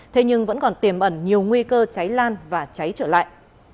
thế nhưng vẫn còn tiềm ẩn nhiều nguy cơ cháy lan và cháy trở lại